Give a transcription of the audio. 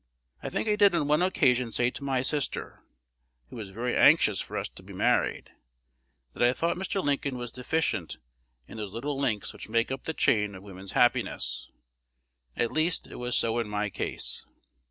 I think I did on one occasion say to my sister, who was very anxious for us to be married, that I thought Mr. Lincoln was deficient in those little links which make up the chain of woman's happiness, at least, it was so in my case.